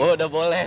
oh udah boleh